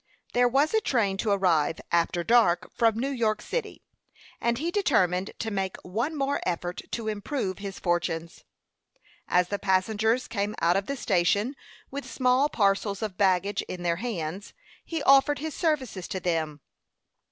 There was a train to arrive, after dark, from New York city, and he determined to make one more effort to improve his fortunes. As the passengers came out of the station with small parcels of baggage in their hands, he offered his services to them.